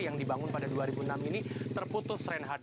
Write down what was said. yang dibangun pada dua ribu enam ini terputus reinhardt